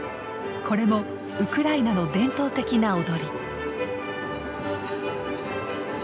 これもウクライナの伝統的な踊り。